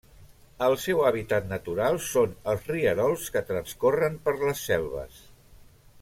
El seu hàbitat natural són els rierols que transcorren per les selves.